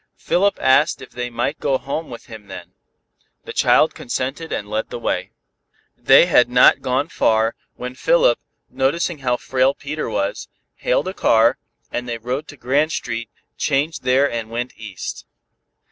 Philip asked if they might go home with him then. The child consented and led the way. They had not gone far, when Philip, noticing how frail Peter was, hailed a car, and they rode to Grand Street, changed there and went east.